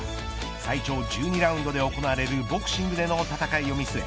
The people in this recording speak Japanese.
最長１２ラウンドで行われるボクシングでの戦いを見据え